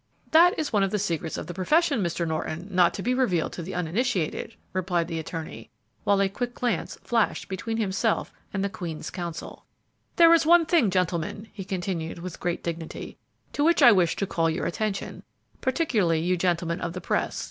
"That is one of the secrets of the profession, Mr. Norton, not to be revealed to the uninitiated," replied the attorney, while a quick glance flashed between himself and the Queen's Counsel. "There is one thing, gentlemen," he continued, with great dignity, "to which I wish to call your attention, particularly you gentlemen of the press.